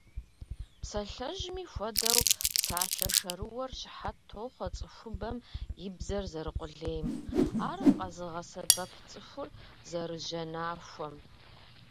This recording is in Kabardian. Псалъэжьми хуэдэу, псалъэ шэрыуэр щыхьэт тохъуэ цӀыхубэм и бзэр зэрыкъулейм, ар къэзыгъэсэбэп цӀыхур зэрыжьэнахуэм.